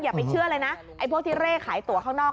อย่าไปเชื่อเลยนะไอ้พวกที่เร่ขายตัวข้างนอก